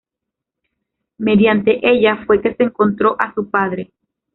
Mediante ella fue que se encontró a su padre.